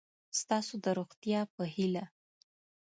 ستاسو د روغتیا په هیله